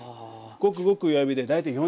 ごくごく弱火で大体４０分ほど。